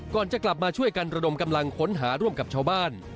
ก่อนจะกลับมาช่วยกันระดมกำลังค้นหาร่วมกับชาวบ้าน